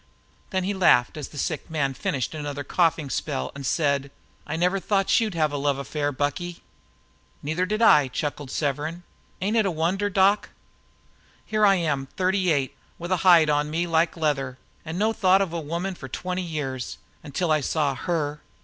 Then he laughed, as the sick man finished another coughing spell, and said: "I never thought you'd have a love affair, Bucky!" "Neither did I," chuckled Severn. "Ain't it a wonder, doc? Here I'm thirty eight, with a hide on me like leather, an' no thought of a woman for twenty years, until I saw HER.